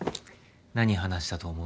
何話したと思う？